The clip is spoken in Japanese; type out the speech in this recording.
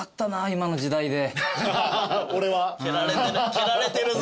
蹴られてるぞ。